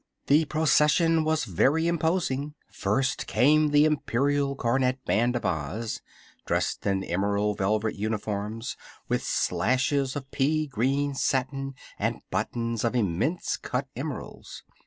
The procession was very imposing. First came the Imperial Cornet Band of Oz, dressed in emerald velvet uniforms with slashes of pea green satin and buttons of immense cut emeralds.